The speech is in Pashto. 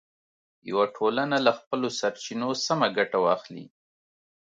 یوه ټولنه له خپلو سرچینو سمه ګټه واخلي.